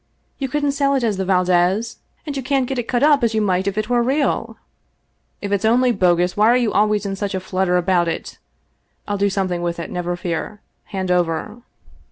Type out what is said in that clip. You couldn't sell it as the Valdez, and you can't get it cut up as you might if it were real." " If it's only bogus, why are you always in such a flutter about it? I'll do something with it, never fear. Hand over."